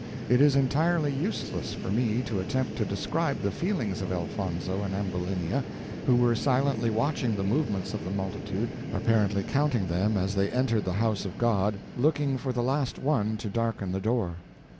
It is entirely useless for me to attempt to describe the feelings of Elfonzo and Ambulinia, who were silently watching the movements of the multitude, apparently counting them as then entered the house of God, looking for the last one to darken the door.